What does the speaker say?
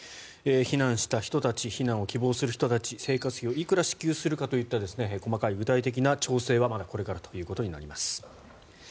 避難した人たち避難を希望する人たち生活費をいくら支給するかといった細かい具体的な調整はまだこれからということになります。